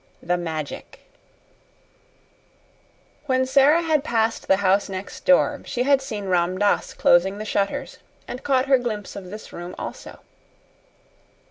15 The Magic When Sara had passed the house next door she had seen Ram Dass closing the shutters, and caught her glimpse of this room also.